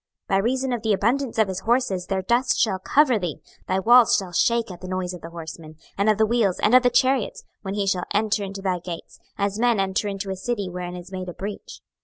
26:026:010 By reason of the abundance of his horses their dust shall cover thee: thy walls shall shake at the noise of the horsemen, and of the wheels, and of the chariots, when he shall enter into thy gates, as men enter into a city wherein is made a breach.